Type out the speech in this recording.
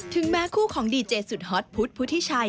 แม้คู่ของดีเจสุดฮอตพุทธพุทธิชัย